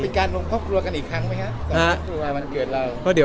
เป็นการพบรับกันอีกครั้งไหมฮะตอนวันเกิดเรา